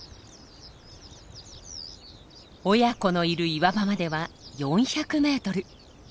親子のいる岩場までは４００メートル。